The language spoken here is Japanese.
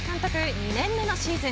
２年目のシーズン。